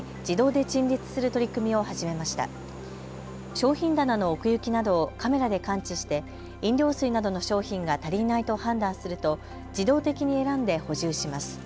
商品棚の奥行きなどをカメラで感知して飲料水などの商品が足りないと判断すると自動的に選んで補充します。